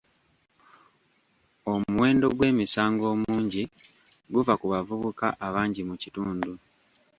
Omuwendo gw'emisango omungi guva ku bavubuka abangi mu kitundu.